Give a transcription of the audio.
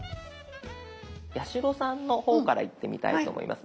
八代さんの方からいってみたいと思います。